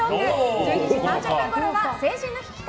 １２時３０分ごろは成人の日企画！